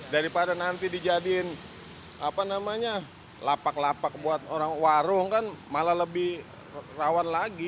daripada nanti dijadikan lapak lapak buat orang warung kan malah lebih rawan lagi